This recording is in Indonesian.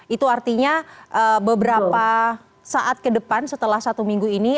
itu artinya beberapa saat ke depan setelah satu minggu ini